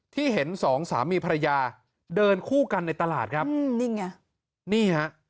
ที่เห็นสองสามีภรรยาเดินคู่กันในตลาดครับอืมนี่ไงนี่ฮะ